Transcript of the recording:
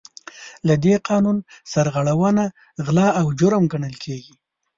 له دې قانون سرغړونه غلا او جرم ګڼل کیږي.